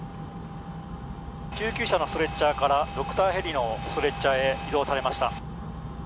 救急車のストレッチャーからドクターヘリのストレッチャーへ移動されました。